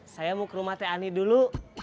saya mau ke rumah teh ani dulu